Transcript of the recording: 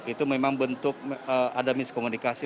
itu memang bentuk ada miskomunikasi